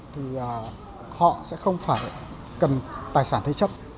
thì họ sẽ không phải cần tài sản thuê chấp